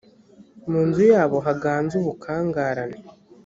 mu mazu yabo haganze ubukangarane.